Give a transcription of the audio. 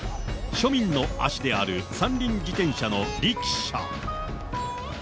庶民の足である三輪自転車のリキシャ。